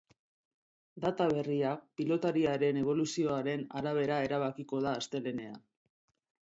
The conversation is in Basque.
Data berria piltotariaren eboluzioaren arabera erabakiko da, astelehenean.